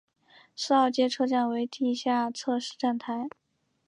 四号街车站为地下侧式站台。